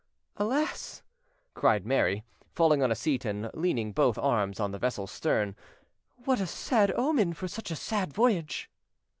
"Alas!" cried Mary, falling on a seat and leaning both arms an the vessel's stern, "what a sad omen for such a sad voyage!"